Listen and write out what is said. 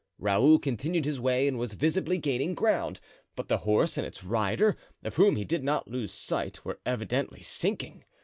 Raoul continued his way and was visibly gaining ground; but the horse and its rider, of whom he did not lose sight, were evidently sinking.